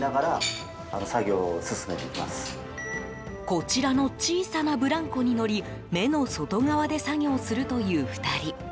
こちらの小さなブランコに乗り目の外側で作業するという２人。